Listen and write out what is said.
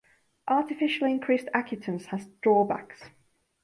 Artificially increased acutance has drawbacks.